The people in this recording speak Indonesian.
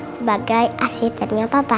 sebagai asetannya papa